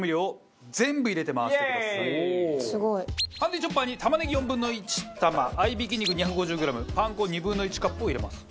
ハンディーチョッパーに玉ねぎ４分の１玉合い挽き肉２５０グラムパン粉２分の１カップを入れます。